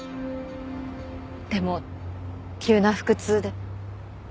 でも急な腹痛で。